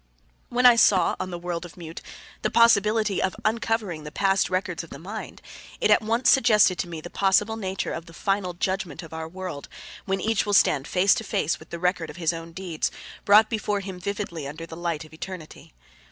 When I saw, on this world of Mute, the possibility of uncovering the past records of the mind, it at once suggested to me the possible nature of the final Judgment of our world when each one will stand face to face with the record of his own deeds, brought before him vividly under the light of eternity.